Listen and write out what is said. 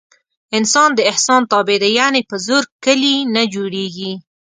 انسان د احسان تابع دی. یعنې په زور کلي نه جوړېږي.